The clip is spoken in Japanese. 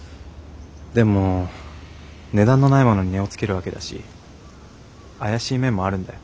でも値段のないものに値をつけるわけだし怪しい面もあるんだよ。